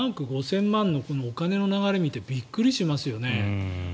７億５０００万円のお金の流れを見てびっくりしますよね。